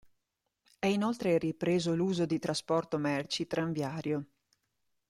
È inoltre ripreso l'uso di trasporto merci tranviario.